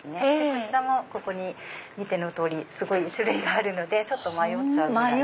こちらもここに見ての通りすごい種類があるので迷っちゃうぐらい。